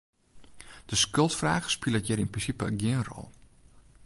De skuldfraach spilet hjir yn prinsipe gjin rol.